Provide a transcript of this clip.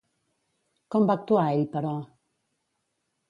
Com va actuar ell, però?